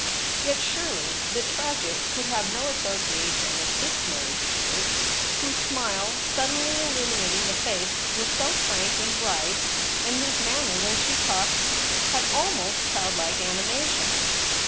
Yet surely the tragic could have no association with this Mary Stuart, whose smile, suddenly illumi nating the face, was so frank and bright, and whose manner when she talked had almost childlike animation.